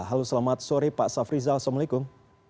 halo selamat sore pak safrizal assalamualaikum